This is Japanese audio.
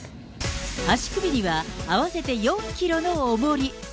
足首には合わせて４キロのおもり。